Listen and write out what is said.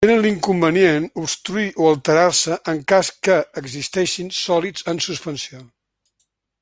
Tenen l'inconvenient obstruir o alterar-se en cas que existeixin sòlids en suspensió.